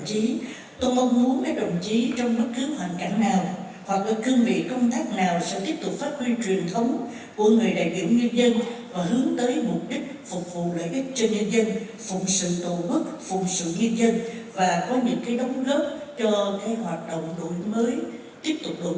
và có những cái đóng góp cho cái hoạt động đổi mới tiếp tục đổi mới của quốc hội trong thời gian tới